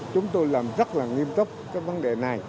chúng tôi làm rất là nghiêm túc cái vấn đề này